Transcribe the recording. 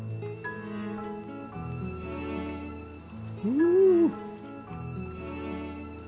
うん！